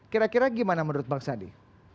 kira kira gimana menurut bang sandi